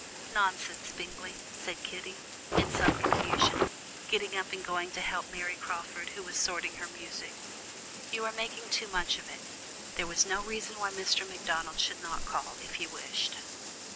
"Nonsense, Bingley," said Kitty, in some confusion, getting up and going to help Mary Crawford, who was sorting her music; "you are making too much of it; there was no reason why Mr. Macdonald should not call, if he wished to."